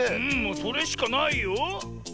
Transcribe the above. それしかないよ。